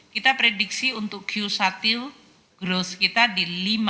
kita prediksi untuk q satil gross kita di lima tujuh belas